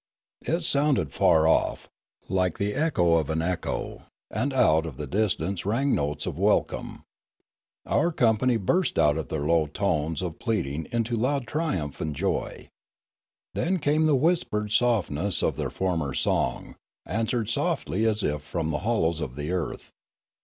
It sounded far off, like the echo of an echo, and out of the distance rang notes of welcome. Our company burst out of their low tones of pleadwig into loud triumph and joy. Then came the whispered softness of their former song; answered softly as if from the hollows of the earth.